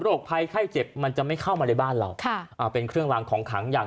ภัยไข้เจ็บมันจะไม่เข้ามาในบ้านเราค่ะอ่าเป็นเครื่องรางของขังอย่าง